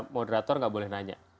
moderator nggak boleh nanya